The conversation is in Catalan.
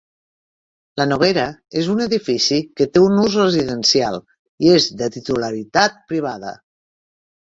La Noguera és un edifici que té un ús residencial i és de titularitat privada.